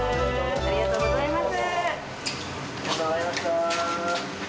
ありがとうございます。